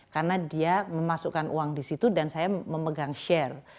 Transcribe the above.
karena dia memasukkan uang di situ dan saya memegang share